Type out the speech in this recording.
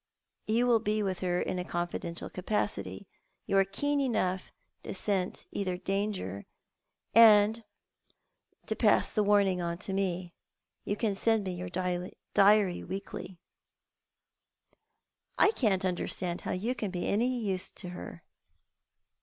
You will bo with her in a confidential capacity; you are keen enough to scent cither danger, and to i ass the warning ou to mo. You can send me your diary weekly." " I can't understand how you can be of any use to her."